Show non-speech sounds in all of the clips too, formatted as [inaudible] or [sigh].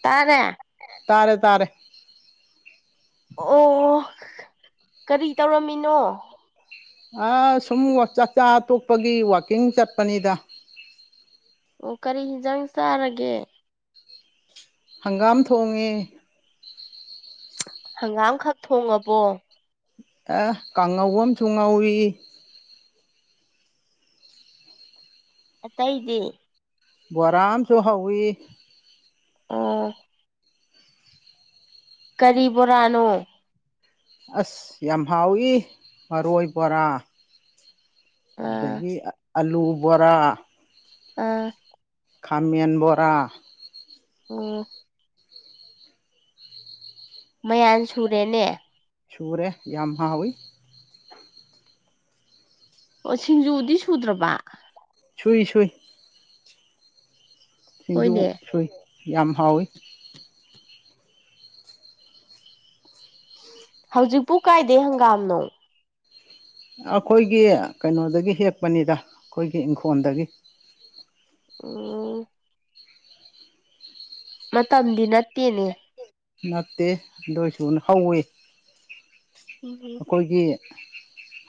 ꯇꯥꯔꯦ ꯇꯥꯔꯦ ꯇꯥꯔꯦ ꯑꯣ ꯀꯔꯤ ꯇꯧꯔꯝꯃꯤꯅꯣ ꯑ ꯁꯨꯝ ꯆꯥꯛꯆꯥ ꯑ ꯇꯣꯛꯄꯒꯤ ꯋꯥꯛꯀꯤꯡ ꯆꯠꯄꯅꯤꯗ ꯑꯣ ꯀꯔꯤ ꯍꯤꯟꯖꯥꯡ ꯆꯥꯔꯒꯦ ꯍꯪꯒꯥꯝ ꯊꯣꯡꯉꯦ ꯍꯪꯒꯥꯝꯈꯛ ꯊꯣꯡꯉꯕꯣ ꯑꯦ ꯀꯥꯡꯉꯧꯕ ꯑꯃꯁꯁꯨ ꯉꯧꯏ ꯑꯇꯩꯗꯤ ꯕꯣꯔꯥꯝꯁꯨ ꯍꯧꯋꯤ ꯎꯥ ꯀꯔꯤ ꯕꯣꯔꯥꯅꯣ ꯑꯁ ꯌꯥꯝ ꯍꯥꯎꯏ ꯃꯔꯣꯏ ꯕꯣꯔꯥ ꯑꯥ ꯑꯗꯒꯤ ꯑꯂꯨ ꯕꯣꯔꯥ ꯑꯥ ꯈꯥꯝꯦꯟ ꯣꯔꯥ ꯑꯣ ꯃꯌꯥꯟ ꯁꯨꯔꯦꯅꯦ ꯁꯨꯔꯦ ꯌꯥꯝꯍꯥꯎꯤ ꯑꯣ ꯁꯤꯡꯖꯨꯗꯤ ꯁꯨꯗ꯭ꯔꯕ ꯁꯨꯏ ꯁꯨꯏ ꯁꯤꯡꯖꯨ ꯍꯣꯏꯅꯦ ꯁꯨꯏ ꯌꯥꯝ ꯍꯥꯎꯋꯤ ꯍꯧꯖꯤꯛꯄꯨ ꯀꯥꯏꯗꯦ ꯍꯪꯒꯥꯝꯅꯣ ꯑꯩꯈꯣꯏꯒꯤ ꯀꯩꯅꯣꯗꯒꯤ ꯍꯦꯛꯄꯅꯤꯗ ꯑꯩꯈꯣꯏꯒꯤ ꯏꯪꯈꯣꯜꯗꯒꯤ ꯑꯣ ꯃꯇꯝꯗꯤ ꯅꯠꯇꯦꯅꯦ ꯅꯠꯇꯦ ꯑꯗꯨ ꯑꯣꯏꯁꯨꯅ ꯍꯧꯋꯤ ꯎꯝ ꯑꯩꯈꯣꯏꯒꯤ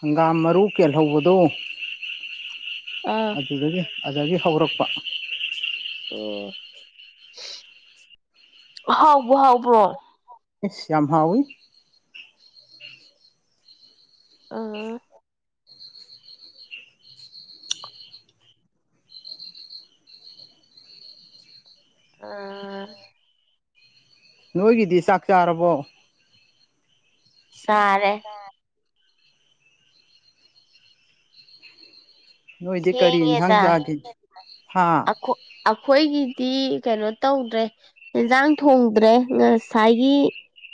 ꯍꯪꯒꯥꯝ ꯃꯔꯨ ꯀꯦꯜꯍꯧꯕꯗꯣ ꯑ ꯑꯗꯨꯗꯒꯤ ꯑꯗꯨꯗꯒꯤ ꯍꯧꯔꯛꯄ ꯎꯝ ꯍꯥꯎꯕꯨ ꯍꯥꯎꯕ꯭ꯔꯣ ꯁ ꯌꯥꯝ ꯍꯥꯎꯋꯤ ꯑꯥ ꯑ ꯅꯣꯏꯒꯤꯗꯤ ꯆꯥꯛ ꯆꯥꯔꯕꯣ ꯆꯥꯔꯦ ꯅꯣꯏꯗꯤ ꯀꯔꯤ ꯏꯟꯖꯥꯡ ꯊꯦꯡꯉꯦꯗ ꯆꯥꯒꯦ ꯍꯥꯥ ꯑꯈꯣ ꯑꯩꯈꯣꯏꯒꯤꯗꯤ ꯀꯩꯅꯣ ꯇꯧꯗ꯭ꯔꯦ ꯏꯟꯁꯥꯡ ꯊꯣꯡꯗ꯭ꯔꯦ ꯉꯁꯥꯏꯒꯤ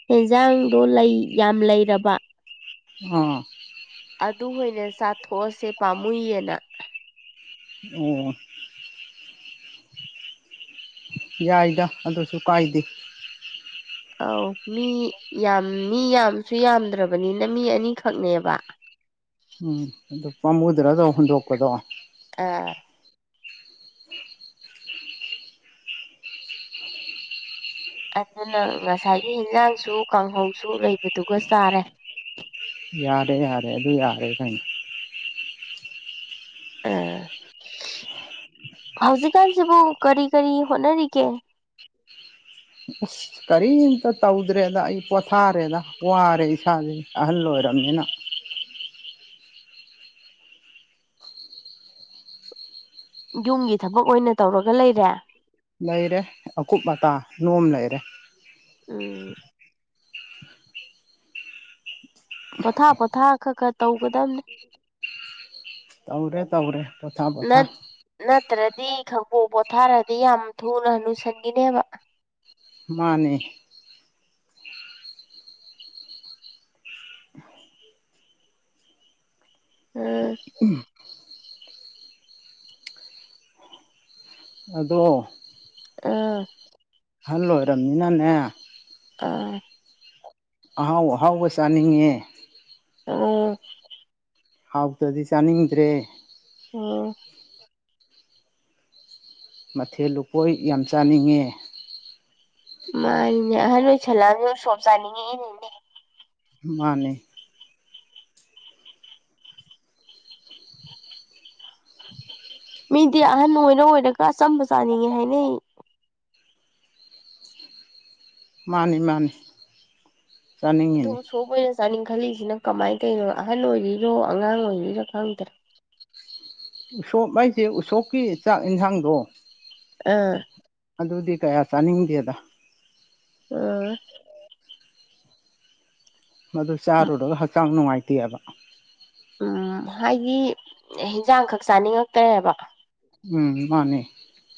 ꯌꯦꯟꯖꯥꯡꯗꯣ ꯂꯩ ꯌꯥꯝ ꯂꯩꯔꯕ ꯑꯥ ꯑꯗꯨ ꯍꯅ ꯆꯥꯊꯣꯛꯑꯁꯦ ꯄꯥꯝꯃꯨꯏꯌꯦꯅ ꯑꯣ ꯌꯥꯏꯗ ꯑꯗꯨꯁꯨ ꯀꯥꯏꯗꯦ ꯑꯧ ꯃꯤ ꯌꯥꯝ ꯃꯤ ꯌꯥꯝꯁꯨ ꯌꯥꯝꯗ꯭ꯔꯕꯅꯤꯅ ꯃꯤ ꯑꯅꯤꯈꯛꯅꯦꯕ ꯎꯝ ꯑꯗꯨꯣ ꯄꯥꯝꯃꯨꯗ꯭ꯔꯗ ꯍꯨꯟꯗꯣꯛꯄꯗꯣ ꯑꯥ ꯑꯗꯨꯅ ꯉꯁꯥꯏꯒꯤ ꯏꯟꯖꯥꯡꯁꯨ ꯀꯥꯡꯍꯧꯁꯨ ꯂꯩꯕꯗꯨꯒ ꯆꯥꯔꯦ ꯌꯥꯔꯦ ꯌꯥꯔꯦ ꯑꯗꯨ ꯌꯥꯔꯦ ꯀꯩꯅꯣ ꯑ ꯍꯧꯖꯤꯛꯀꯥꯟꯁꯤꯕꯨ ꯀꯔꯤ ꯀꯔꯤ ꯍꯣꯠꯅꯔꯤꯒꯦ ꯑꯁ ꯀꯔꯤꯝꯇ ꯇꯧꯗ꯭ꯔꯦꯗ ꯑꯩ ꯄꯣꯊꯥꯔꯦꯗ ꯋꯥꯔꯦ ꯏꯁꯥꯥꯁꯦ ꯑꯍꯜ ꯑꯣꯏꯔꯕꯅꯤꯅ ꯌꯨꯝꯒꯤ ꯊꯕꯛ ꯑꯣꯏꯅ ꯇꯧꯔꯒ ꯂꯩꯔꯦ ꯂꯩꯔꯦ ꯑꯀꯨꯞ ꯑꯇꯥ ꯅꯣꯝ ꯂꯩꯔꯦ ꯎꯝ ꯄꯣꯊꯥ ꯄꯣꯊꯥ ꯈꯛ ꯈꯔ ꯇꯧꯒꯗꯕꯅꯦ ꯇꯧꯔꯦ ꯇꯧꯔꯦ ꯄꯣꯊꯥ ꯄꯣꯊꯥ ꯅꯠ ꯅꯠꯇ꯭ꯔꯗꯤ ꯈꯕꯣꯛ ꯄꯣꯊꯥꯔꯗꯤ ꯌꯥꯝ ꯊꯨꯅ ꯂꯨꯁꯟꯈꯤꯅꯦꯕ ꯃꯥꯅꯦ ꯎꯝ ꯑꯗꯣ ꯑꯥ ꯍꯜ ꯑꯣꯢꯔꯅꯤꯅꯅꯦ ꯑꯥ ꯑꯍꯥꯎ ꯑꯍꯥꯎꯕ ꯆꯥꯅꯤꯡꯉꯦ ꯎꯝ ꯍꯥꯎꯇꯗꯤ ꯆꯥꯅꯤꯡꯗ꯭ꯔꯦ ꯑꯣ ꯃꯊꯦꯜ ꯂꯨꯛꯀꯣꯏ ꯌꯥꯝ ꯆꯥꯅꯤꯡꯉꯦ ꯃꯥꯅꯤꯅꯦ ꯑꯍꯟ ꯑꯣꯏꯁꯜꯂꯛꯑꯅꯤꯅꯦ ꯁꯣꯝ ꯆꯥꯅꯤꯡꯉꯏꯅꯤꯅꯦ ꯃꯥꯅꯦ ꯃꯤꯗꯤ ꯑꯍꯟ ꯑꯣꯏꯔ ꯑꯣꯏꯔꯒ ꯑꯆꯝꯕ ꯆꯥꯅꯤꯡꯉꯦ ꯍꯥꯏꯅꯩ ꯑꯩ ꯃꯥꯅꯤ ꯃꯥꯅꯤ ꯆꯅꯤꯡꯉꯤꯅꯤ ꯁꯣꯞ ꯑꯣꯏꯅ ꯆꯥꯅꯤꯡ ꯈꯜꯂꯤꯁꯤꯅ ꯀꯃꯥꯏꯅ ꯇꯔꯤꯅꯣ ꯑꯍꯟ ꯑꯣꯏꯔꯤꯔꯣ ꯑꯉꯥꯡ ꯑꯣꯏꯔꯤꯔꯣ ꯈꯪꯗꯔꯥ ꯎꯁꯣꯞ ꯍꯥꯏꯁꯦ ꯎꯁꯣꯞꯀꯤ ꯆꯥꯛ ꯌꯦꯟꯁꯥꯡꯗꯣ ꯑꯥ ꯑꯗꯨꯗꯤ ꯀꯌꯥ ꯆꯥꯅꯤꯡꯗꯦꯗ ꯑꯣ ꯃꯗꯨ ꯆꯥꯔꯨꯔꯒ ꯍꯛꯆꯥꯡ ꯅꯨꯡꯉꯥꯏꯇꯦꯕ ꯎꯝ ꯍꯥꯏꯗꯤ ꯍꯤꯟꯖꯥꯡꯈꯛ ꯆꯥꯅꯤꯡꯉꯛꯇ꯭ꯔꯦꯕ ꯎꯝ ꯃꯥꯅꯦ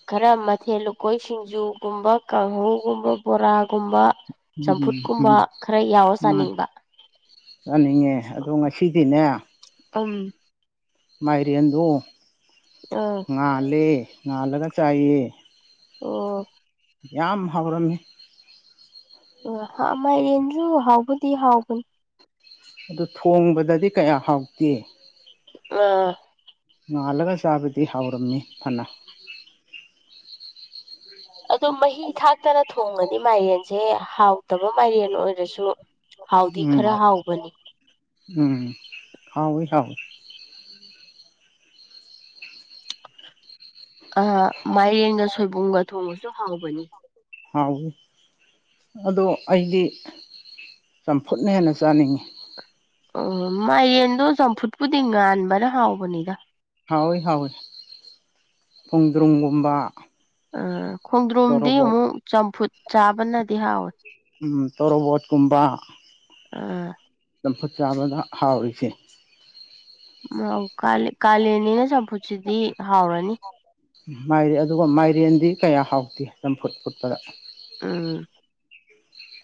ꯈꯔ ꯃꯊꯦꯜ ꯂꯨꯀꯣꯏ ꯁꯤꯡꯖꯨꯒꯨꯝꯕ ꯀꯥꯡꯍꯧꯒꯨꯝꯕ ꯕꯣꯔꯥꯒꯨꯝꯕ ꯎꯝ ꯆꯝꯐꯨꯠ ꯀꯨꯝꯕ ꯎꯝ ꯈꯔ ꯌꯥꯎꯔ ꯆꯥꯅꯤꯡꯕ ꯌꯥꯅꯤꯡꯉꯦ ꯑꯗꯣ ꯉꯁꯤꯗꯤꯅꯦ ꯎꯝ ꯃꯥꯏꯔꯦꯟꯗ ꯑ ꯉꯥꯜꯂꯦ ꯉꯥꯜꯂꯒ ꯆꯥꯏꯑ ꯑꯣ ꯌꯥꯝ ꯍꯧꯥꯎꯔꯝꯃꯤ ꯑꯣ ꯃꯥꯏꯔꯦꯟꯁꯨ ꯍꯥꯎꯕꯗꯤ ꯍꯥꯎꯕꯅꯤ ꯑꯗꯨ ꯊꯣꯡꯕꯗꯗꯤ ꯀꯌꯥ ꯍꯥꯎꯇꯦ ꯑ ꯉꯥꯜꯂꯒ ꯆꯥꯕꯗꯤ ꯍꯥꯎꯔꯝꯃꯤ ꯐꯅ ꯑꯗꯨꯗ ꯃꯍꯤ ꯊꯥꯛꯇꯅ ꯊꯣꯡꯒꯅꯤ ꯃꯥꯏꯔꯦꯟꯁꯦ ꯍꯥꯎꯇꯕ ꯃꯥꯏꯔꯦꯟ ꯑꯣꯏꯔꯁꯨ ꯍꯥꯎꯗꯤ ꯎꯝ ꯈꯔ ꯍꯥꯎꯕꯅꯤ ꯎꯝ ꯍꯥꯎꯦ ꯍꯥꯎꯦ ꯑ ꯃꯥꯏꯔꯦꯡꯒ ꯁꯣꯏꯕꯨꯝꯒ ꯊꯣꯡꯕꯁꯨ ꯍꯥꯎꯕꯅꯤ ꯍꯥꯎꯏꯤ ꯑꯗꯣ ꯑꯩꯗꯤ ꯆꯝꯐꯨꯠꯅ ꯍꯦꯟꯅ ꯆꯥꯅꯤꯡꯉꯤ ꯑꯣ ꯃꯥꯏꯔꯦꯟꯗꯣ ꯆꯝꯐꯨꯠꯄꯨꯗꯤ ꯉꯥꯟꯕꯅ ꯍꯥꯎꯕꯅꯤꯗ ꯍꯥꯎꯋꯏ ꯍꯥꯎꯋꯤ ꯈꯣꯡꯗ꯭ꯔꯣꯡꯒꯨꯝꯕ ꯑꯥ ꯈꯣꯡꯗ꯭ꯔꯣꯝꯗꯤ ꯑꯃꯨꯛ ꯆꯝꯐꯨꯠ ꯆꯥꯕꯅꯗꯤ ꯍꯥꯎꯋꯦ ꯇꯣꯔꯣꯕꯣꯠꯀꯨꯝꯕ ꯑ ꯆꯝꯐꯨꯠ ꯆꯥꯕꯗ ꯍꯥꯎꯔꯤꯁꯦ ꯑ ꯀꯥꯂꯦꯟꯅꯤꯅ ꯆꯝꯐꯨꯠꯁꯤꯗꯤ ꯍꯥꯎꯔꯅꯤ ꯃꯥꯏꯔꯦ ꯑꯗꯨꯒ ꯃꯥꯏꯔꯦꯟꯗꯤ ꯀꯌꯥ ꯍꯥꯎꯇꯦ ꯆꯝꯐꯨꯠ ꯐꯨꯠꯄꯗ ꯎꯝ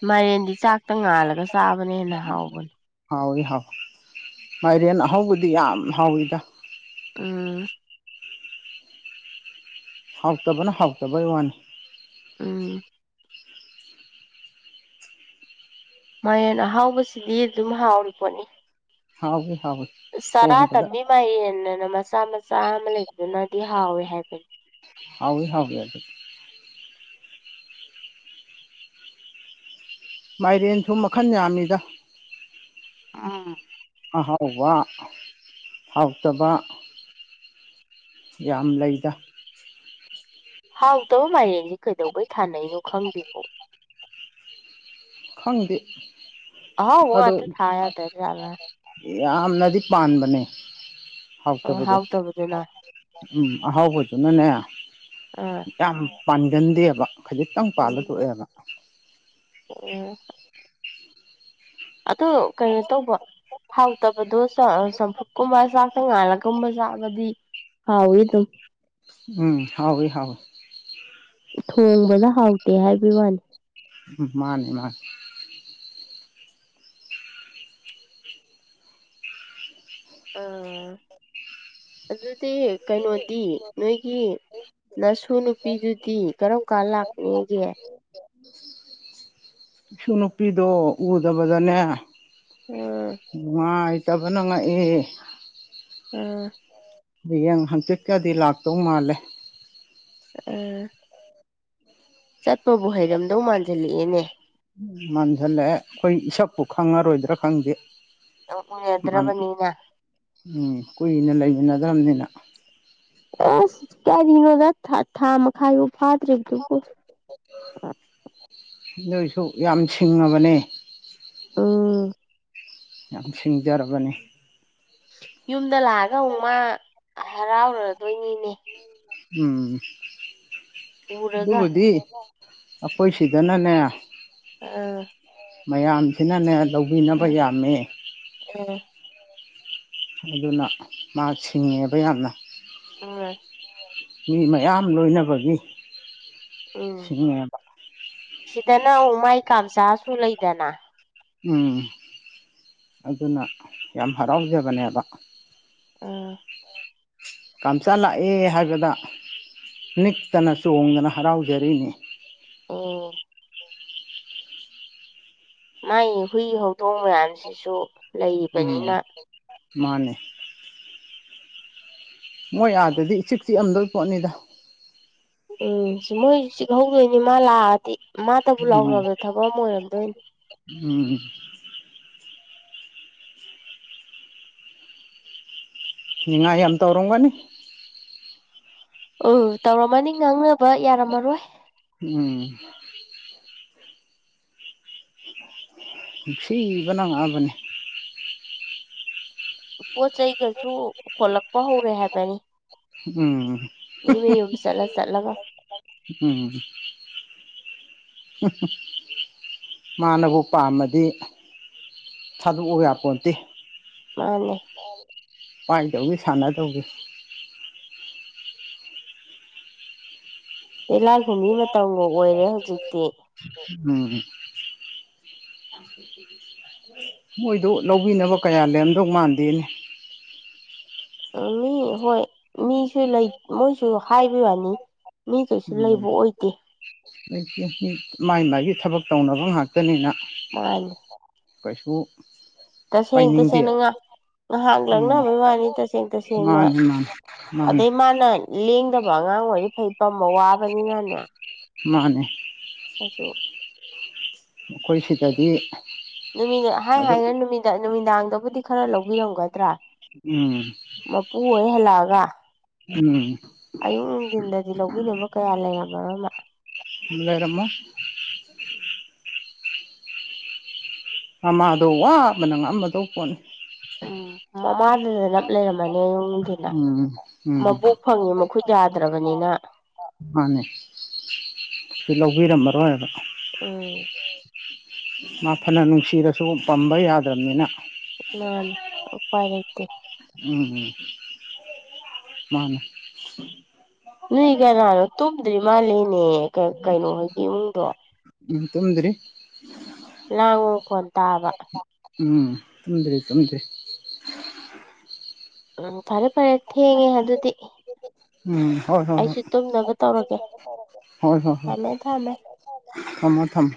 ꯃꯥꯏꯔꯦꯟꯗꯤ ꯆꯥꯛꯇ ꯉꯥꯜꯂꯒ ꯆꯥꯕꯅ ꯍꯦꯟꯅ ꯍꯥꯎꯕꯅꯤ ꯍꯥꯎꯏꯤ ꯍꯥꯎꯋ ꯃꯥꯏꯔꯦꯟ ꯑꯍꯧꯕꯗꯤ ꯌꯥꯝ ꯍꯥꯎꯋꯤꯗ ꯑꯥ ꯍꯥꯎ ꯇꯕꯅ ꯍꯥꯎꯛꯇꯕ ꯏ ꯋꯥꯅꯤ ꯎꯝ ꯃꯌꯦꯣꯟ ꯑꯍꯥꯎꯕꯁꯤꯗꯤ ꯑꯗꯨꯝ ꯍꯥꯎꯔꯤ ꯄꯣꯠꯅꯤ ꯍꯥꯎ ꯍꯥꯎ ꯆꯔꯥ ꯇꯝꯕꯤ ꯃꯌꯦꯦꯅ ꯃꯆꯥ ꯃꯆꯥ ꯑꯃ ꯂꯩꯕꯗꯨꯅꯗꯤ ꯍꯥꯎꯋꯦ ꯍꯥꯏꯕꯅꯤ ꯍꯥꯎ ꯍꯥꯎꯋ ꯌꯥ ꯃꯥꯏꯔꯦꯟꯁꯨ ꯃꯈꯟ ꯌꯥꯝꯃꯤꯗ ꯑꯥ ꯑ ꯍꯥꯎꯕ ꯍꯥꯎꯇꯕ ꯌꯥꯝ ꯂꯩꯗ ꯍꯥꯎꯇꯕ ꯃꯔꯦꯡꯁꯦ ꯀꯩꯗꯧꯕꯩ ꯊꯥꯅꯩꯩꯅꯣ ꯈꯪꯗꯦꯀꯣ ꯈꯪꯗꯦ ꯑꯥꯎ ꯋꯥ ꯑꯗꯣ ꯑꯊ ꯊ ꯇ ꯆꯅ ꯌꯥꯝꯅꯗꯤ ꯄꯥꯟꯕꯅꯦ ꯍꯥꯎꯇꯕꯗꯣ ꯍꯥꯎꯇꯕꯗꯨꯅ ꯎꯝ ꯑꯍꯥꯎꯕꯗꯨꯅꯅꯦ ꯑꯥ ꯌꯥꯝ ꯄꯥꯟꯒꯟꯗꯦꯕ ꯈꯖꯤꯛꯇꯪ ꯄꯥꯜꯂ ꯊꯣꯛꯣꯛꯑꯦꯕ ꯑꯣ ꯑꯗꯨ ꯀꯩꯅꯣ ꯇꯧꯕ ꯍꯥꯎꯇꯕꯗꯣ ꯆꯝꯐꯨꯠꯀꯨꯝꯕ ꯆꯥꯛꯇ ꯉꯥꯜꯂꯒꯨꯝꯕ ꯆꯥꯕꯗꯤ ꯍꯥꯎ ꯏ ꯑꯗꯨ ꯎꯝ ꯍꯥꯎꯣꯏ ꯍꯥꯎꯣꯏ ꯊꯣꯡꯕꯗ ꯍꯥꯎꯇꯦ ꯍꯥꯏꯕꯒꯤ ꯋꯥꯅꯤ ꯃꯥꯅꯦ ꯃꯥꯅꯤ ꯑꯥ [inaudible] ꯑꯗꯨꯗꯤ ꯀꯩꯅꯣꯗꯤ ꯅꯣꯏꯒꯤ ꯅꯁꯨ ꯅꯨꯄꯤꯗꯨꯗꯤ ꯀꯔꯝ ꯀꯥꯟ ꯂꯥꯛꯅꯤꯒꯦ ꯏꯁꯨ ꯅꯨꯄꯤꯗꯣ ꯎꯗꯕꯗꯅꯦ ꯑꯥ ꯅꯨꯡꯉꯥꯏ ꯇꯕꯅꯉꯥꯏꯑ ꯎꯥ ꯌꯦꯡ ꯍꯪꯆꯤꯠꯀꯗꯤ ꯂꯥꯛꯇꯧ ꯃꯥꯜꯂꯦ ꯎꯝ ꯆꯠꯄꯕꯨ ꯍꯩꯔꯝꯗꯧ ꯃꯥꯟꯁꯤꯜꯂꯛꯑꯦꯅꯦ ꯎ ꯃꯟꯁꯤꯜꯂꯛꯑꯦ ꯑꯩꯈꯣꯏ ꯏꯁꯛꯄꯨ ꯈꯪꯉꯔꯣꯏꯗ꯭ꯔꯥ ꯈꯪꯗꯦ ꯃꯥꯅ ꯎꯗ꯭ꯔꯕꯅꯤꯅ ꯎꯝ ꯀꯨꯏꯅ ꯂꯩꯃꯤꯟꯅꯗ꯭ꯔꯕꯅꯤꯅ ꯑꯦꯁ ꯀꯌꯥꯒꯤꯅꯣꯗ ꯊꯥ ꯃꯈꯥꯏꯐꯥꯎ ꯐꯥꯗ꯭ꯔꯤ ꯅꯣꯏꯁꯨ ꯌꯥꯝ ꯁꯤꯡꯉꯕꯅꯦ ꯎꯝ ꯌꯥꯝ ꯁꯤꯡꯖꯔꯕꯅꯤ ꯌꯨꯝꯗ ꯂꯥꯛꯑꯒ ꯑꯃꯨꯛ ꯃꯥ ꯍꯔꯥꯎꯔꯗꯣꯏꯅꯤꯅꯦ ꯎꯝ ꯎꯔꯒ ꯑꯗꯨꯕꯨꯗꯤ ꯑꯩꯈꯣꯏ ꯁꯤꯗꯅꯅꯦ ꯑꯥ ꯃꯌꯥꯝꯁꯤꯅꯅꯦ ꯂꯧꯕꯤꯅꯕ ꯎꯝ ꯌꯥꯝꯃꯦ ꯎꯝ ꯑꯗꯨꯅ ꯃꯥ ꯁꯤꯡꯉꯦꯕ ꯌꯥꯝꯅ ꯑꯥ ꯃꯤ ꯃꯌꯥꯝ ꯂꯣꯏꯅꯕꯒꯤ ꯎꯝ ꯁꯤꯡꯉꯦꯕ ꯁꯤꯗꯅ ꯑꯃꯨꯛ ꯃꯥꯏ ꯀꯥꯝꯆꯥꯥꯁꯨ ꯂꯩꯗꯅ ꯎꯝ ꯑꯗꯨꯅ ꯌꯥꯝ ꯍꯔꯥꯎꯖꯕꯅꯦꯕ ꯑꯣ ꯀꯥꯝꯆꯥꯥ ꯂꯥꯛꯑꯦ ꯍꯥꯏꯕꯗ ꯅꯤꯛꯇꯅ ꯆꯣꯡꯗꯅ ꯍꯔꯥꯎꯖꯔꯤꯅꯤ ꯑꯣ ꯃꯥꯥꯏ ꯍꯨꯏ ꯍꯧꯗꯣꯡ ꯃꯌꯥꯝꯁꯤꯁꯨ ꯎꯝ ꯂꯩꯔꯤꯕꯅꯤꯅ ꯃꯥꯅꯦ ꯃꯣꯏ ꯑꯥꯗꯗꯤ ꯏꯆꯤ ꯆꯤꯑꯝꯗꯕ ꯄꯣꯠꯅꯤꯗ ꯎꯝ ꯁꯤ ꯃꯣꯏꯁꯨ ꯆꯤꯍꯧꯗꯣꯏꯅꯤ ꯃꯥ ꯂꯥꯛꯑꯗꯤ ꯃꯥꯇꯕꯨ ꯎꯝ ꯂꯥꯎꯅꯕ ꯊꯕꯛ ꯑꯃ ꯑꯣꯏꯔꯝꯗꯣꯏꯅꯤ ꯎꯝ ꯅꯤꯡꯅꯤꯉꯥꯏ ꯌꯥꯝ ꯇꯧꯔꯝꯒꯅꯤ ꯑꯣ ꯇꯧꯔꯝꯃꯅꯤ ꯉꯥꯡꯅꯕ ꯌꯥꯔꯝꯃꯔꯣꯏ ꯎꯝ ꯨꯡꯕꯅꯥꯛꯑꯕꯅꯦ ꯄꯣꯠ ꯆꯩꯒꯁꯨ ꯍꯣꯠꯂꯛꯄ ꯍꯧꯔꯦ ꯍꯥꯏꯕꯅꯤ ꯎꯝ ꯃꯤ ꯃꯌꯨꯝ ꯆꯠꯂ ꯆꯠꯂꯒ ꯎꯝ ꯃꯥꯅꯕꯨ ꯄꯥꯝꯃꯗꯤ ꯊꯥꯗꯣꯛꯎ ꯌꯥꯄꯣꯟꯇꯦ ꯃꯥꯅꯦ ꯄꯥꯏꯗꯧꯒꯤ ꯁꯥꯟꯅꯗꯧꯒꯤ ꯇꯤꯂꯥꯏꯈꯨꯝꯕꯤ ꯃꯇꯝꯒ ꯑꯣꯏꯔꯦ ꯍꯧꯖꯤꯛꯇꯤ ꯎꯝ [unintelligible] ꯃꯣꯏꯗꯣ ꯂꯧꯕꯤꯅꯕ ꯀꯌꯥ ꯂꯩꯔꯝꯗꯧ ꯃꯥꯟꯗꯦꯅꯦ ꯃꯤ ꯍꯣꯏ ꯃꯤꯁꯨ ꯂꯩ ꯃꯣꯏꯁꯨ ꯍꯥꯏꯕꯤ ꯋꯥꯅꯤ ꯃꯤ ꯀꯩꯁꯨ ꯎꯝ ꯂꯩꯕ ꯑꯣꯏꯗꯦ ꯃꯥꯏ ꯃꯥꯏꯒꯤ ꯊꯕꯛ ꯇꯧꯅꯕ ꯉꯥꯛꯇꯥꯅꯤꯅ ꯃꯥꯅꯤ ꯀꯩꯁꯨ ꯇꯁꯦꯡ ꯄꯥꯏꯅꯤꯡꯗꯦ ꯇꯁꯦꯡꯅ ꯉꯍꯥꯛ ꯎꯝ ꯂꯪꯅꯕꯩ ꯋꯥꯅꯤ ꯇꯁꯦꯡ ꯇꯁꯦꯡꯅ ꯃꯥꯅꯤ ꯃꯥꯅꯤ ꯃꯥꯅꯤ ꯑꯗꯩ ꯃꯥꯅ ꯂꯦꯡꯗꯕ ꯑꯉꯥꯡ ꯑꯣꯏꯔꯗꯤ ꯐꯩ ꯄꯝꯕ ꯋꯥꯕꯅꯤꯅꯅꯦ ꯃꯥꯅꯦ ꯀꯩꯁꯨ ꯑꯈꯣꯏ ꯁꯤꯗꯗꯤ ꯅꯨꯃꯤꯠꯅ ꯍꯥꯏ ꯑꯗꯨꯝ ꯍꯥꯏꯅ ꯅꯨꯃꯤꯠꯅ ꯅꯨꯃꯤꯗꯥꯡꯗꯕꯨꯗꯤ ꯈꯔ ꯂꯧꯕꯤꯔꯝꯒꯗ꯭ꯔꯥ ꯎꯝ ꯃꯄꯨ ꯑꯣꯏ ꯍꯜꯂꯛꯑꯒ ꯎꯝ ꯑꯌꯨꯛ ꯅꯨꯡꯊꯤꯟꯗꯗꯤ ꯂꯧꯕꯤꯅꯕ ꯀꯌꯥ ꯂꯩꯔꯝꯃꯔꯣꯏ ꯃꯥ ꯂꯩꯔꯝꯃꯣꯏ [inaudible] ꯃꯃꯥꯗꯣ ꯋꯥꯕꯅ ꯉꯝꯃꯗꯧ ꯄꯣꯠꯅꯤ ꯎꯝ ꯃꯃꯥꯗꯨꯗ ꯅꯞ ꯂꯩꯔꯝꯃꯅꯤ ꯌꯨꯝꯗꯅ ꯎꯝ ꯎꯝ ꯃꯕꯣꯛ ꯐꯪꯉꯤ ꯃꯈꯨꯠ ꯌꯥꯗ꯭ꯔꯕꯅꯤꯅ ꯃꯥꯅꯦ ꯁꯤ ꯂꯧꯕꯤꯔꯝꯃꯔꯣꯏꯕ ꯎꯝ ꯃꯥ ꯐꯥꯅ ꯅꯨꯡꯁꯤꯔꯁꯨ ꯄꯝꯕꯥ ꯌꯥꯗ꯭ꯔꯕꯅꯤꯅ ꯃꯥꯅꯤ ꯎꯄꯥꯏ ꯂꯩꯇꯦ ꯎꯝ ꯎꯝ ꯃꯥꯅꯦ ꯅꯣꯏ ꯀꯅꯥꯅꯣ ꯇꯨꯝꯗ꯭ꯔꯤ ꯃꯥꯜꯂꯦꯅꯦ ꯀꯩꯅꯣ ꯍꯣꯏꯒꯤ ꯏꯃꯨꯡꯗꯣ ꯎꯝ ꯇꯨꯝꯗꯔꯤ ꯂꯥꯡꯕ ꯃꯈꯣꯟ ꯇꯥꯕ ꯎꯝ ꯇꯨꯝꯗꯔꯤ ꯇꯨꯝꯗꯔꯤ ꯎꯝ ꯐꯔꯦ ꯐꯔꯦ ꯊꯦꯡꯉꯦ ꯑꯗꯨꯗꯤ ꯎꯝ ꯍꯣꯏ ꯍꯣꯏ ꯍꯣꯏ ꯑꯩꯁꯨ ꯇꯨꯝꯅꯕ ꯇꯧꯔꯒꯦ ꯊꯝꯃꯦ ꯊꯝꯃꯦ ꯊꯃꯣ ꯊꯝꯃꯣ